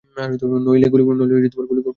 নইলে গুলি করব!